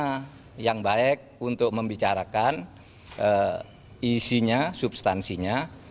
karena yang baik untuk membicarakan isinya substansinya